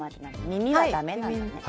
耳はだめなのね。